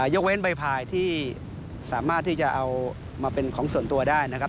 ยกเว้นใบพายที่สามารถที่จะเอามาเป็นของส่วนตัวได้นะครับ